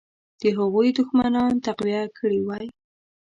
د هغوی دښمنان تقویه کړي وای.